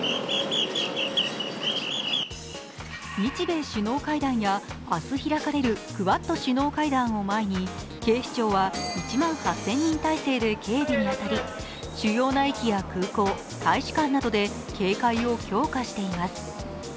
日米首脳会談や明日開かれるクアッド首脳会談を前に警視庁は１万８０００人態勢で警備に当たり主要な駅や空港、大使館などで警戒を強化しています。